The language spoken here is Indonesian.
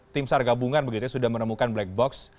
tim sargabungan sudah menemukan black box